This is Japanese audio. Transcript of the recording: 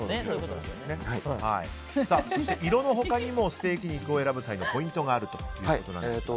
そして、色の他にもステーキ肉を選ぶ際のポイントがあるということですが。